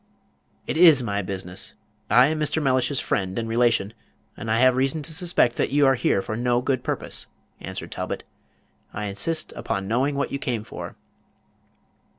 "It is my business. I am Mr. Mellish's friend and relation; and I have reason to suspect that you are here for no good purpose," answered Talbot. "I insist upon knowing what you came for."